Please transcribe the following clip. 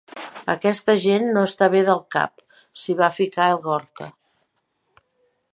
Aquesta gent no està bé del cap —s'hi va ficar el Gorka—.